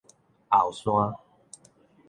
後山